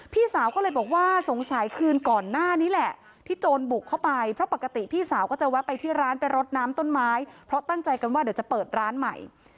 พี่สาวก็เลยบอกว่าสงสัยคืนก่อนหน้านี้แหละที่โจรบุกเข้าไปเพราะปกติพี่สาวก็จะแวะไปที่ร้านไปรดน้ำต้นไม้เพราะตั้งใจกันว่าเดี๋ยวจะเปิดร้านใหม่